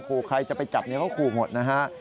ขู่ใครจะไปจับเนี่ยเขาขู่หมดนะฮะ